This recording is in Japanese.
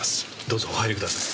どうぞお入りください。